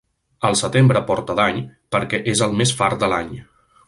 El setembre porta dany, perquè és el més fart de l'any.